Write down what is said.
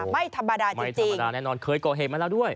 ไม่ธรรมดาแน่นอนเคยก่อเหตุมาแล้วด้วย